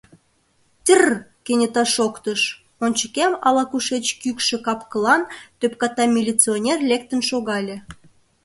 — Тьр-р! — кенета шоктыш, ончыкем ала-кушеч кӱкшӧ кап-кылан, тӧпката милиционер лектын шогале.